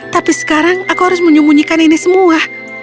tapi sekarang aku harus menyembunyikan ini semua